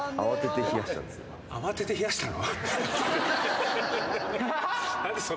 慌てて冷やしたの？